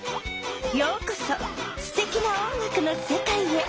ようこそすてきな音楽のせかいへ！